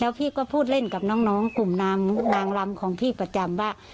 พี่ก็พูดเล่นกับน้องกลุ่มนางรำของพี่ประจำว่า